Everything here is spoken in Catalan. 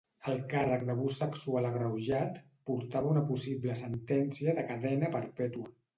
El càrrec d'abús sexual agreujat portava una possible sentència de cadena perpètua.